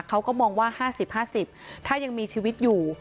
เขาก็มองว่า๕๐๕๐ถ้ายังมีชีวิตอยู่